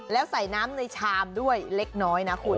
แล้วใส่น้ำในชามด้วยเล็กน้อยนะคุณ